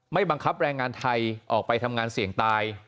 บังคับแรงงานไทยออกไปทำงานเสี่ยงตาย